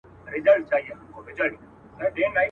مُلا مي په زر ځله له احواله دی پوښتلی.